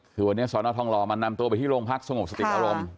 คือวันนี้สอนอทองหล่อมันนำตัวไปที่โรงพักสงบสติอารมณ์